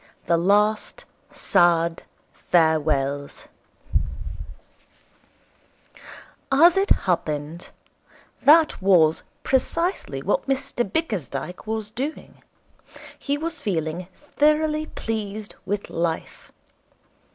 The Last Sad Farewells As it happened, that was precisely what Mr Bickersdyke was doing. He was feeling thoroughly pleased with life.